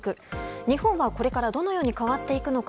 日本はこれからどう変わっていくのか